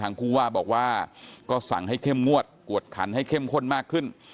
ผู้ว่าบอกว่าก็สั่งให้เข้มงวดกวดขันให้เข้มข้นมากขึ้น